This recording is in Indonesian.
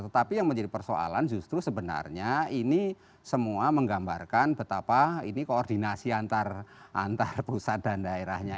tetapi yang menjadi persoalan justru sebenarnya ini semua menggambarkan betapa ini koordinasi antar pusat dan daerahnya